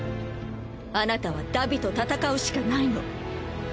あなたは荼毘と戦うしかないの。